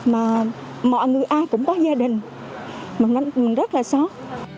mà mọi người ai cũng có gia đình mình rất là xót